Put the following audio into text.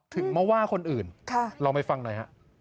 ถึงมาว่าคนอื่นมาเรามาฟังค่ะ